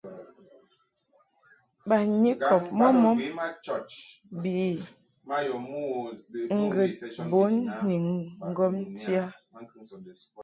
Banyikɔb mbommbom bi ŋgəd bun ni ŋgɔmti a.